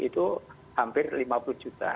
itu hampir lima puluh juta